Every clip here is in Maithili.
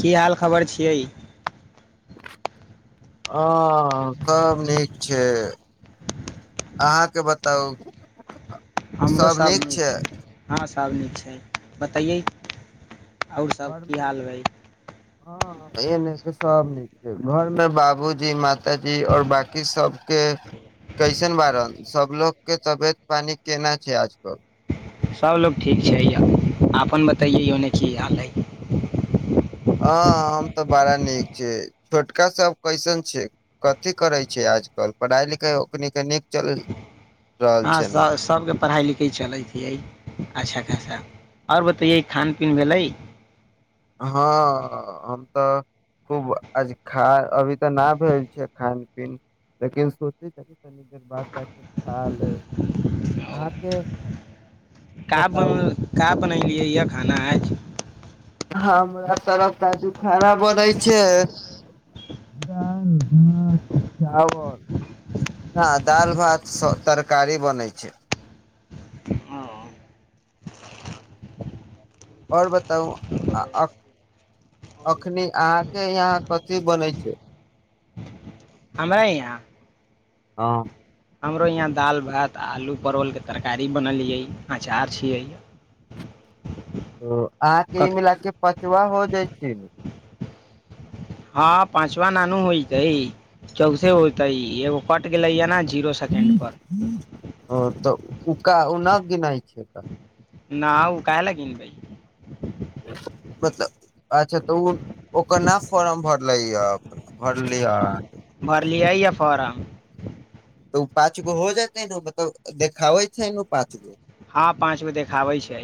की हाल खबर छियै ह सभ नीक छै अहाँके बताउ हमरो सभ नीक छै हँ तब नीक छै बतैै आओर सभ की घरमे हाल भइ हँ एने के सब नीक छै घर मे बाबूजी मातााजी और बाकी सबके कैसन बारन सबलोग के तबियत पानि केना छै आजकल सभ लोकोक ठीक छै यए अपन बतैयै य ओन्ने की हाल हइ हँ हम तऽ बड़ा नीक छियै छोटकासभ कैसन छै कथि करै छै आजकल पढ़ाइ लिखाइ ओखने नीक चलल हँ सभके पढ़ाइ लिखाइ चलैतियै अच्छा आओर बतैैये खान पीन भेलै हँ हम तऽ खूब आज खा अभी तऽ नहि भेल छियै खान पीन लेकिन सोचै छ तनि देर बाद जा कऽ खा ले अहाँके का बन बताउ क बनेलियै यह खाना आज हँ रहता द खराब हो दै छै दाल भात चावल न दाल भात तरकारी बनेै छै हमरा आओर बताउ अखनी अहाँके यहाँ कथि बनै छै हमरा ह यह हँ हमरो यहाँ दालि भात आ आलू परोलके तरकारी बनलियै अचार छियै ओ अहाँके ई मिल के प सुबह हो जाइ छै हँ पाँचवा नानू होई है चौसे होतै एगो पट गेलै य ने जीरो सेकेंड पर ओ तऽ क ओ न गिनाै छै क ना ओ काहे का गिनवए मतलब अच्छा तऽ ओ ओकर न फॉर्म भरले य भरलिय भर लियाइ या फार्म तऽ ओ पाँच गो हो जेतै ने मतलब देखाबै छै ने पाँच गो हँ पाँच गो देखाबै छै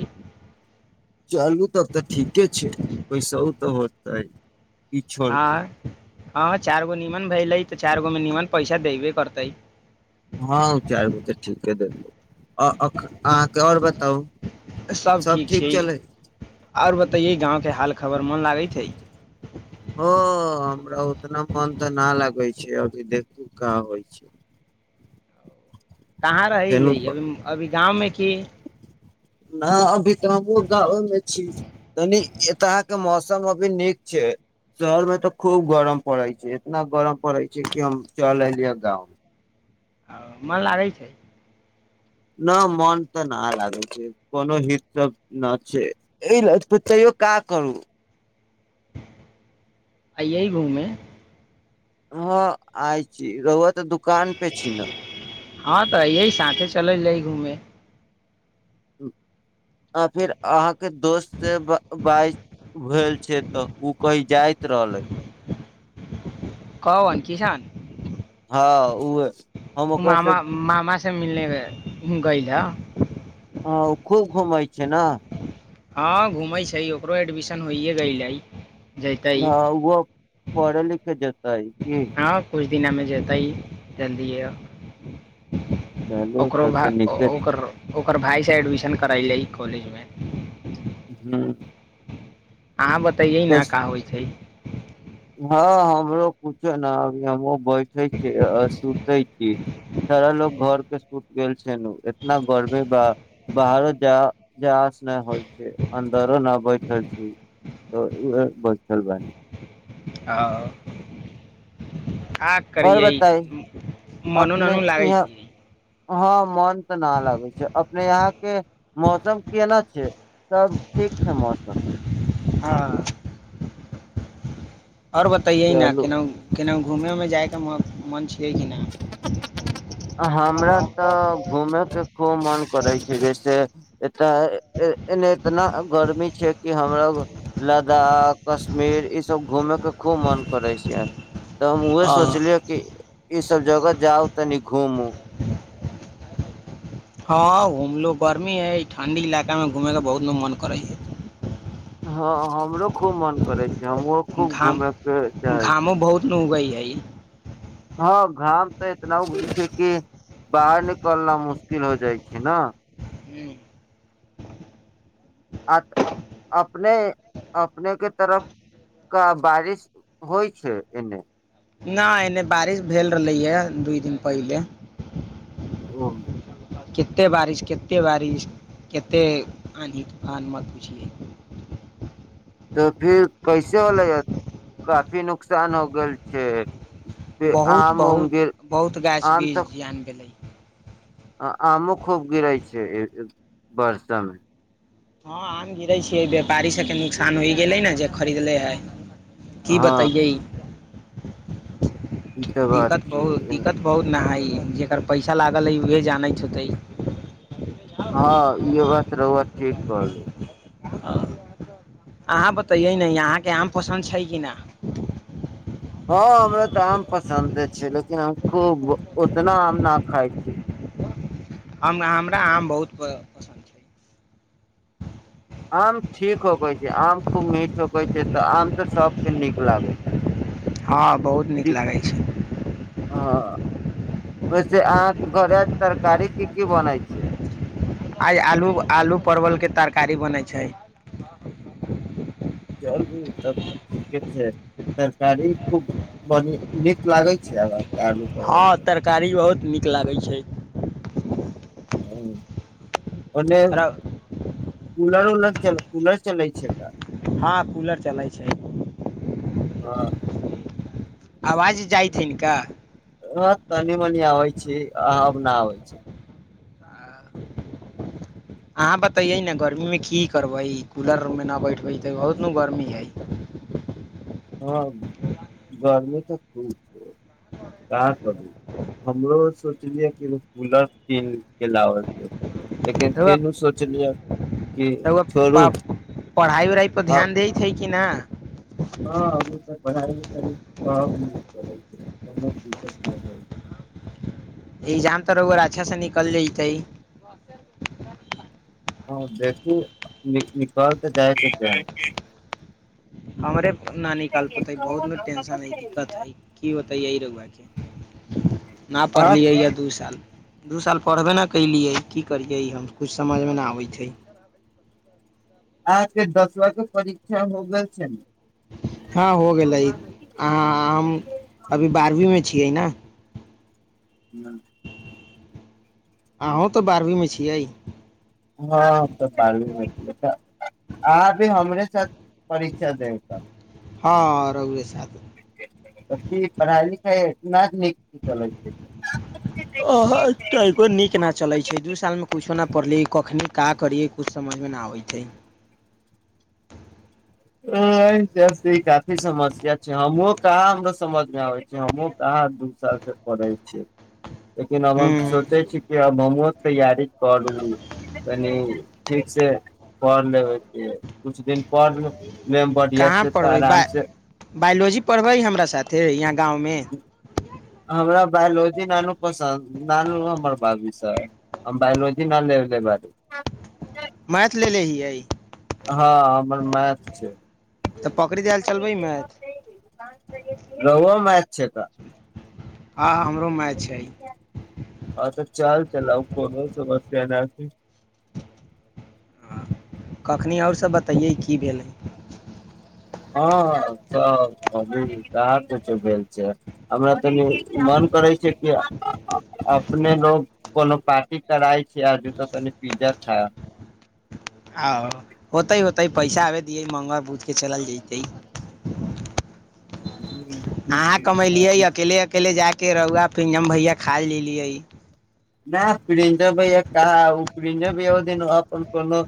चलू तब तऽ ठीके छै ओैसहु तऽ होत ह हँ हँ चार गो नीमन भेले तऽ चार गो मे नीमन पैसा पैसा दैवे करतइ हँ ओ चारि गो तऽ ठीके देलै अहाँके आओर बताउ सब ठीक छै आऔर बताेये गाँंव के हाल खबर मन लागे छै छै ह हमरा उतना मन तऽ नहि लागै छै अभी देखू का होइ छै कहाँ रहै यै फेनू अभ अभी गाँवमे की नहि अभी तऽ हमहुूँ गाँवेमे छी तनी एतके मौसम अभी नीक छै शहरमे तऽ खूब गरम पड़ै छै इतना गरम पड़ै छै कि हम चल एलियै गाँव ह मन लागै छै न मोन तऽ न लागै छै कोनो हित सब नहि छै एहि त तैयो का करू ययह घुमे हँ आय छी रउआ तऽ दुकान पे छी न हँ तऽ अइ साे चलै जाइ घूमे आ फिर अहाँके दोस्तसँ ब बाईत भेल छै तऽ ओ कही जाइत रहलै हँ की हाल हँ ओह मामा मामा मिलने गैला ह ओ खूब घुमै छै ने हँ घूमै छै ओकरो एडमिशन होइए गेलय लै हँ ओहो पढ़ लिख छै त हँ कोई दिनामे जतय जल्दीए चलू ओकरो तब तऽ नीके छै ओकर भाय एडमिशन करइ लइ कॉलेज मे हँ अहाँ बतैयै न का होइ छै हँ हमरो कुछो न अभी हम बैठे छी आ सुतै छी सारा ल लोकग घरके सुूत गेल छै एतना गर्मेे ब बाहरो जा जा नहि होइ अन्दरो न बैठ छी बथरब आओ का आओर करिय बताई मनो अपने ननू लागै यहाँ छै हँ मन तऽ न लगै छै अपने यहाँ के मौसम केना छै सब ठीक छै मौसम हँ आओर बताइयए न चलू केना केनाहु घुमैमे जाइके मोन छियै कि नहि हमरा तऽ घूमेयके खूब मन करै छै जैसे एतऽ इतना गर्मी छै कि हमराो लद्दाख कश्मीर ईसभ घूमेके खूब मन करै छै तऽ हम उह सोचलियै कि ई सब जगह जाउ तनिक घूमू हँ घुमलो गर्मी है ठण्डी इलाकामे घूमयके बहुत मन करै छै हँ हमरो खूब मन करै छै जमू हइ खूब घाम घुमे के चाह छी नहिइ हँ घाम तऽ इतना उगै छै कि बाहर निकलना मुश्किल हो जाइ छै ने आ अपने अपनेके तरफ क बारिश होइ छै एने नहि एने बारिश भेल रहलैए दू दिन पहिले ह कतेक बारिश कतेक बारिश कतेक आन्ही तूफानमे पुछिै तऽ फिर कैसे होले ह काफी नुकसान हो गेल छै फिर बहुत आम उम बहुत गिर बहुत गाछ वृक्ष जान गेलै आ आमो खूब गिरै छै बरषामे हँ आम गिरै छियै व्यापारी सबके नुकसान होइ गेलै ने जे खरीदले है की हँ बतैयै ई तऽ [unintelligible] बात दिक्कत छै बहुत दिक्कत बहुत नइ जेकर पैसा लागल है उह जानैत होतै हँ ई बात रउआ ठीक कहलै [inaudible] हँ अहाँ बतैयै ने अहाँके आम पसन्द छै कि नहि हँ हमरा तऽ आम पसन्दे छै लेकिन हम खूब ओतना आम नहि खाइ छी हम हमरा आम बहुत पसन्द छै आम ठीक होकै छै आम खूब मीठ होक छै तऽ आम तऽ सभके नीक लागैत छै हँ बहुत नीक लागै छै ओहिसँ अहाँके घर तरकारी की की बनैत छै आइ आलू आलू परवलके तरकारी बनै छै चलू तब ठीके छै तरकारी खूब बढ़ि नीक लागै छै आ हँ तरकारी बहुत नीक लागै छै हु और नइ इ कूलर उलर च कूलर चलै छै का हँ कूलर चलै छै हँ आवाज जाइतथिन काऽ हँ तनी मनी आबै छै आब न आबै छै अहाँ बतैयै न गर्मीमे की करबै कूलरमे न बैठबै तऽ बहुत न गर्मी हइ हँ गर्मी तऽ खूब छै काँ करू हमरो सोचलियै कि एगो कूलर किन के लाबैय केँ रौआ कि रोआ छोड़ू पा पढ़ाइ उढ़ाई पर ध्यान दै छै की ना हँ अभि तऽ पढ़ाई लिखाइ सब दिन चलै छै कोनो दिककत न होइ इगजाम तऽ रौआ अच्छा सँ निकल जतै हँ देखू नि निकाल तऽ जाय के चाही हमरे न निकाल पते बहुत न टेंशन हइ दिक्कत हइ की बतैये रौआ के ना आ पढ़लियै य दू साल दू साल पढ़बे नइ कयलियै की करियै हम किछु समझमे नइ आबै छै आहाँ के दसवा के परीक्षा हो गेल छै न हँ हो गेलै अहाँ हम अभी बारहवींमे छियै न नअ अहूँ तऽ बारहवीमे छियै हँ तऽ बारवी मे घिये तऽ अहाँ भी हमरे साथ परीक्षा देब त हँ रौऐ साथ त की पढ़ाइ लिखा इतना नीक से चलै छै आ ह तनिको नीक न चलै छै दू साल मे कुछो नइ पड़लिय कखनी का करियै कुछ समझमे ना आबै छै जसे ई काफी समस्या छै हमहुं कहाँ हमर समझमे आबै छै हमहुँ कहाँ दू साल से पढ़े छिये लेकिन अब हम हूँ सोचे छिये कि अब हम इहो तैयारी करलू कनि ठीक से पढ़ लेब कुछ दिन पढ़ लेब बढ़िया कहाँ से तऽ पढ़बै आराम से बायोलॉजी पढ़बै हमरा साथे यहाँ गाँव मे हमरा बायोलॉजी न - नू पसन्दू ना नू हमर भाभीसँ हम बायोलॉजी न लेने बनी मैथ लेलेे हियै हँ हमर मैथ छै तऽ पकड़ि देल चलबै मैथ रौओ मेथ छै का हँ हमर हँ तऽ चल च लउ कोनो समस्या नहि ठ कखनी आओर सभ बतैयै की भेलै हँ त अभी कहाँ कुछो भेल छै हमरा तनि मन करै छै कि अपने लोग कोनो पार्टी कराइ आ तऽ त पिजा हाँ आ होतै होतै पैसा आबे दियै मङ्गल बूथ कऽ चलल जयतै आहा कमेलियै अकेले अकेले जा के के रौुआ फिजम भैया खा लेलियै नहि प्रिंजो भैया कह प्रिंजो भैय ओ दिन अपन कोनो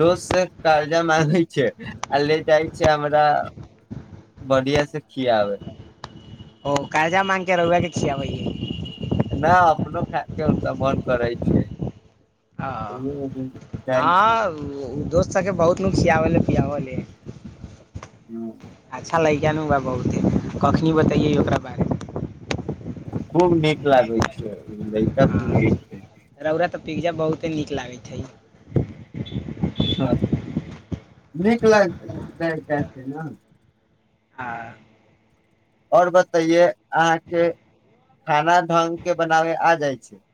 दोस्त से कर्जा मांगै छै आ ले जाइ छै हमरा बढ़िया से खियाबे ओ कजा माँंगके रवआ के छियिया भहि खा हनक बन्द करै छै आ जाइ छै आ दोस्त सबके बहुत न सियाबलए पियाबले हँ कलहुँ आ बहुते कखनी बतैै ओकरा बारेमे खूब नीक लागै छै लैइका तू छै रउरा तऽ पिज्जा बहुते नीक लागैत छैइ निकल छै ने हँ आओर बताइए अहाँ के खाना ढंगग के बनावे आ जाय छै [inaudible]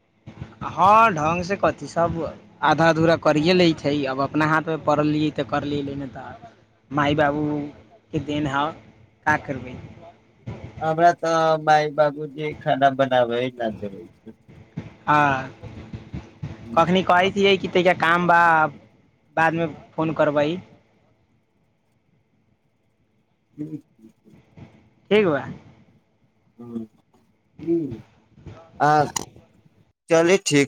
हँ ढङ्गसँ कथि सभ आधाधूरा करिए लैत छै आब अपना हाथमे पड़लियै तऽ करलियै नहि तऽ माय बाबूके देन हँ का करबै हम हमरा त बाय बाबू जे खाना बनाबै ल ज होै छै हँ कखनी कइ कि तैा काम बा बादमे फोन करबै ह्म ह ह ठीक बा आ चले छी